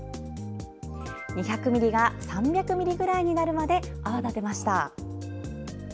２００ミリが３００ミリぐらいになるまで泡立てました。